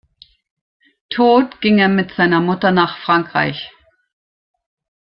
Tod ging er mit seiner Mutter nach Frankreich.